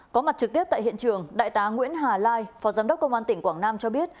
có mặt trực tiếp tại hiện trường đại tá nguyễn hà lai phó giám đốc công an tỉnh quảng nam cho biết